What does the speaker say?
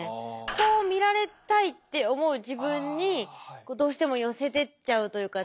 こう見られたいって思う自分にどうしても寄せてっちゃうというか。